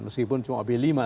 meskipun cuma bila bila tahun